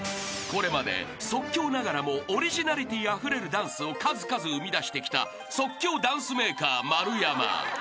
［これまで即興ながらもオリジナリティーあふれるダンスを数々生み出してきた即興ダンスメーカー丸山］